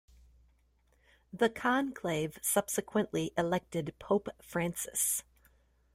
The conclave subsequently elected Pope Francis.